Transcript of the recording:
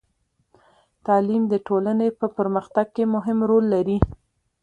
تعلیم د ټولنې په پرمختګ کې مهم رول لري.